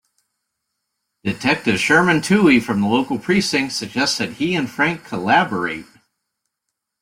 Detective Sherman Touhey from the local precinct suggests that he and Frank collaborate.